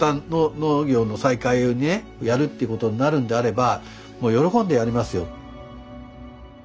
農業の再開にねやるということになるんであればもう喜んでやりますよ。